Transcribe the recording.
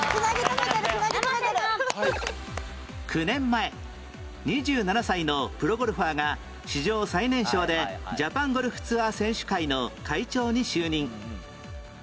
９年前２７歳のプロゴルファーが史上最年少でジャパンゴルフツアー選手会の会長に就任